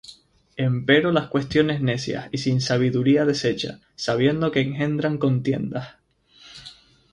Empero las cuestiones necias y sin sabiduría desecha, sabiendo que engendran contiendas.